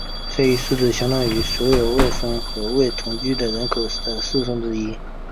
这一数字相当于所有未婚或未同居的人口的四分之一。